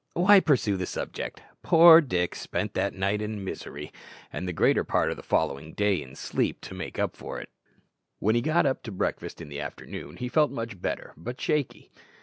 why pursue the subject. Poor Dick spent that night in misery, and the greater part of the following day in sleep, to make up for it. When he got up to breakfast in the afternoon he felt much better, but shaky.